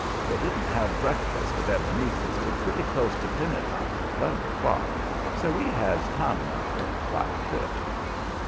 They didn't have breakfast at Ebenezer's till pretty close to dinner time, eleven o'clock, so we had time enough for quite a trip.